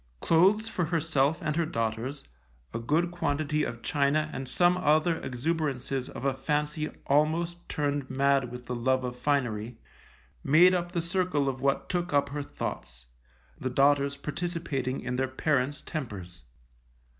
Clothes for herself and her daughters, a good quantity of china and some other exuberances of a fancy almost turned mad with the love of finery, made up the circle of what took up her thoughts, the daughters participating in their parents' tempers.